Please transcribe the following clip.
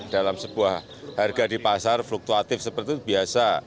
dalam sebuah harga di pasar fluktuatif seperti itu biasa